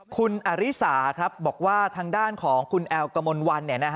คุณอริสาบอกว่าทางด้านของคุณแอลกมลวัน